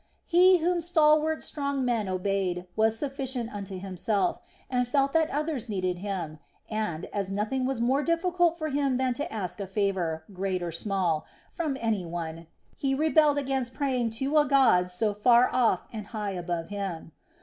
He whom stalwart, strong men obeyed, was sufficient unto himself, and felt that others needed him and, as nothing was more difficult for him than to ask a favor, great or small, from any one, he rebelled against praying to a God so far off and high above him.